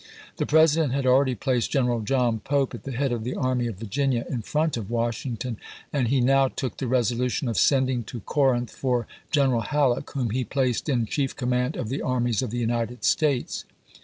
The ch. xxrv. President had already placed General John Pope at the head of the Army of Virginia, in front of Washington, and he now took the resolution of sending to Corinth for General Halleck, whom he placed in chief command of the armies of the United States.